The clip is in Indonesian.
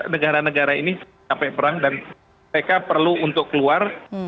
negara negara ini sampai perang dan mereka perlu untuk keluar